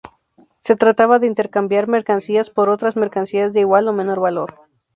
Se trataba de intercambiar mercancías por otras mercancías de igual o menor valor.